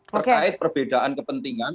terkait perbedaan kepentingan